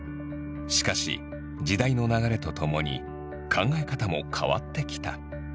しかし時代の流れとともに考え方も変わってきた。